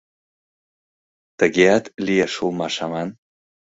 Тыгеат лиеш улмаш аман.